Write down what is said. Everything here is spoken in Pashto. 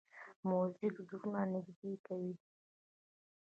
موزیک زړونه نږدې کوي.